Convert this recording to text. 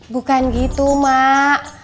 bukan gitu mak